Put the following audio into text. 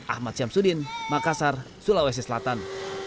ahmad syamsuddin makassar sulawesi selatan